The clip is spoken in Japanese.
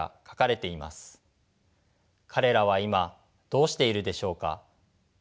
彼らは今どうしているでしょうか？